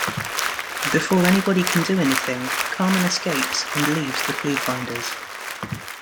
Before anybody can do anything, Carmen escapes and leaves the ClueFinders.